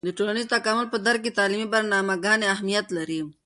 د ټولنیز تکامل په درک کې د تعلیمي برنامه ګانې اهیمت لري.